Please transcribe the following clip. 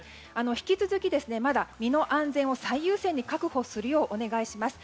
引き続きまだ身の安全を最優先に確保するようお願いします。